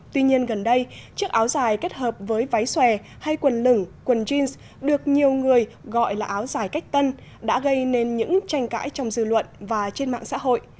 tuy nhiên gần đây chiếc áo dài kết hợp với váy xòe hay quần lửng quần jeans được nhiều người gọi là áo dài cách tân đã gây nên những tranh cãi trong dư luận và trên mạng xã hội